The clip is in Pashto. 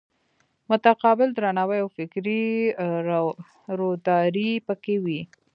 متقابل درناوی او فکري روداري پکې وي.